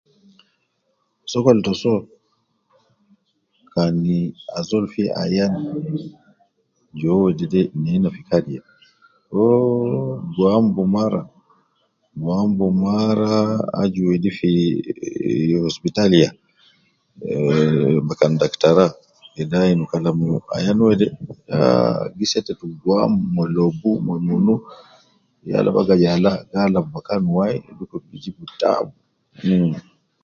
Sokol ta soo, kani azol fi ayan je wedede nena fi kariya, wooh fam bumara, fam bumara aju wedi fi eh ispitali eh kan daktara ayin Kalam ayan wede, ah gi setetu gwam ma lobu ma munu yala baga yala gi alab bakan wai dukur gi jib tab mh